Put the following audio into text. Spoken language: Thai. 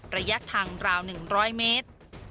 ระยะทางราวนึงร้อยเมตร